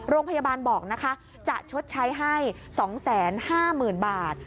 โรงพยาบาลบอกนะคะจะชดใช้ให้๒๕๐๐๐บาท